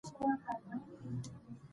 بس دا یو خوی مي د پښتنو دی